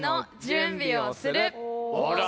あら！